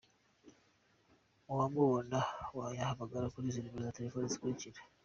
Uwamubona yahamagara kuri numero za telefoni zikurikira:.